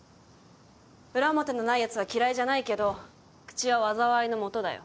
裏表のないやつは嫌いじゃないけど口は災いの元だよ。